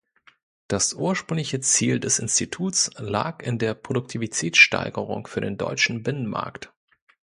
Das ursprüngliche Ziel des Instituts lag in der Produktivitätssteigerung für den deutschen Binnenmarkt.